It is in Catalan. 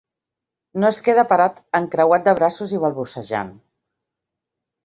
No es queda parat encreuat de braços i balbucejant.